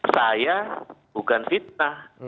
saya bukan fitnah